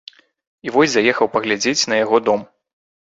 І вось заехаў паглядзець на яго дом.